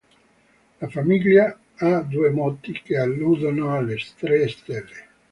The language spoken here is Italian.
La famiglia ha due motti, che alludono alle tre stelle.